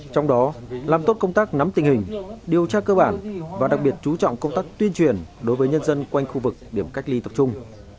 trong đó làm tốt công tác nắm tình hình điều tra cơ bản và đặc biệt chú trọng công tác tuyên truyền đối với nhân dân quanh khu vực điểm cách ly tập trung